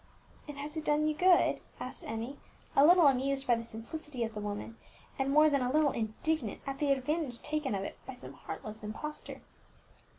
"And has it done you good?" asked Emmie, a little amused at the simplicity of the woman, and more than a little indignant at the advantage taken of it by some heartless impostor.